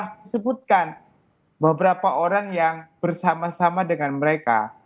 kita sebutkan beberapa orang yang bersama sama dengan mereka